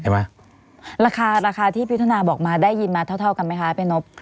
ราคาราคาที่พิธนาบอกมาได้ยินมาเท่าเท่ากันไหมคะพี่นบ